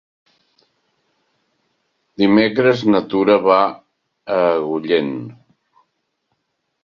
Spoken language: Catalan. Dimecres na Tura va a Agullent.